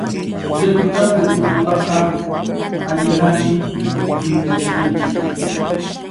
Yakuta upunapaqqa allitami timpuchinanchik.